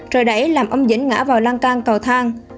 trời đẩy làm ông dĩnh ngã vào lan can cầu thang